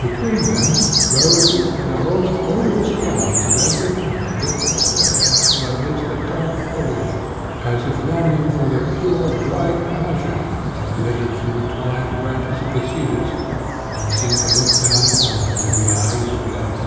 Between them, roses and the most odorous flowers of every kind lifted up their heads from amidst a dark foliage, as if longing for the pure bright azure, that glittered through the twined branches of the cedars, and seemed to look down upon them with the eyes of love.